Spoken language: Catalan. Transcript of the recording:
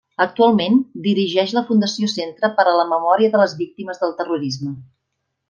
Actualment dirigeix la fundació Centre per a la Memòria de les Víctimes del Terrorisme.